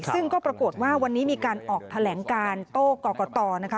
ซึ่งก็ปรากฏว่าวันนี้มีการออกแถลงการโต้กรกตนะคะ